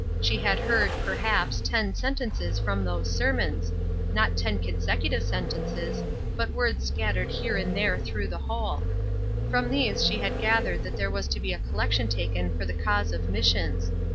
She had heard, perhaps, ten sentences from those sermons, not ten consecutive sentences, but words scattered here and there through the whole; from these she had gathered that there was to be a collection taken for the cause of Missions.